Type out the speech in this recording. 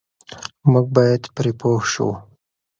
موږ بايد پرې پوه شو.